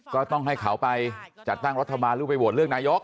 ก็ต้องให้เขาไปจัดตั้งรัฐบาลหรือไปโหวตเลือกนายก